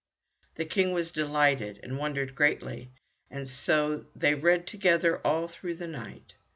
The King was delighted and wondered greatly, and so they read together all through the night.